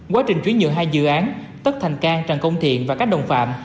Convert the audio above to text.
quá trình chuyển nhượng hai dự án tất thành cang trần công thiện và các đồng phạm